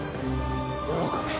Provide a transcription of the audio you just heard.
喜べ！